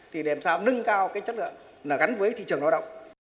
thì làm sao nâng cao cái chất lượng là gắn với thị trường lao động